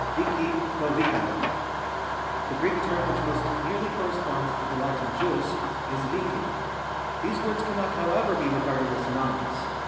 A/k?;. tu SiKaiui'. — The Greek term which most nearly corresponds to the Latin jus is cIkt] These words cannot, however, be regarded as synonymous.